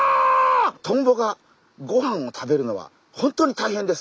トンボがごはんを食べるのは本当にたいへんです。